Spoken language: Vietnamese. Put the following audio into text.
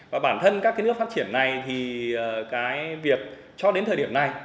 và bản thân các cái nước phát triển này thì cái việc cho đến thời điểm này